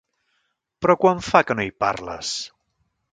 Però quan fa que no hi parles?